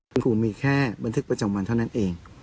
คุณครูมีแค่บันทึกประจำวันเท่านั้นเอง